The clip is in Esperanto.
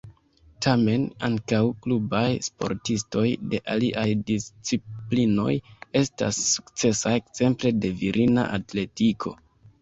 Tamen ankaŭ klubaj sportistoj de aliaj disciplinoj estas sukcesaj, ekzemple de virina atletiko.